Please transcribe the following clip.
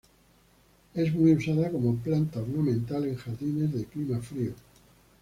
Es muy usada como planta ornamental en jardines de clima frío.